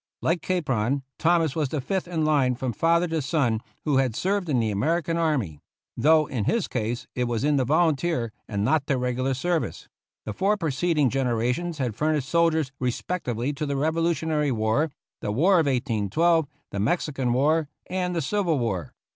Like Capron, Thomas was the fifth in line from father to son who had served in the American army, though in his case it was in the volunteer and not the regular service ; the four preceding generations had furnished soldiers re spectively to the Revolutionary War, the War of 1812, the Mexican War, and the Civil War.